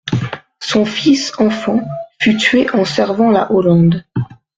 Son fils enfant fut tué en servant la Hollande.